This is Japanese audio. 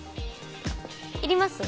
いります？